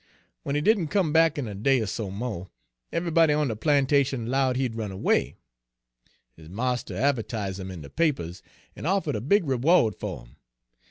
W'en he didn' come back in a day er so mo', eve'ybody on de plantation 'lowed he had runned erway. His marster a'vertise' him in de papers, en offered a big reward fer 'im.